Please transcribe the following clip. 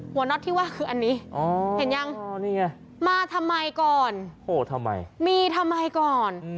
น็อตที่ว่าคืออันนี้เห็นยังมาทำไมก่อนโหทำไมมีทำไมก่อน